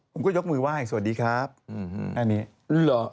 คุณก็ยกมือว่าให้สวัสดีครับอันนี้หรือ